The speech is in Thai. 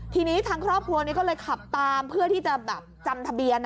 ทีนี้ทางครอบครัวนี้ก็เลยขับตามเพื่อที่จะแบบจำทะเบียน